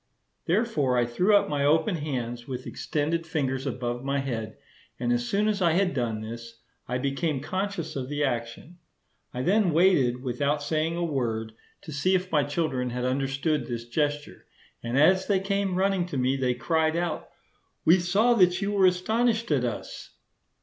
Therefore I threw up my open hands with extended fingers above my head; and as soon as I had done this, I became conscious of the action. I then waited, without saying a word, to see if my children had understood this gesture; and as they came running to me they cried out, "We saw that you were astonished at us."